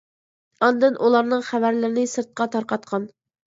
ئاندىن ئۇلارنىڭ خەۋەرلىرىنى سىرتقا تارقاتقان.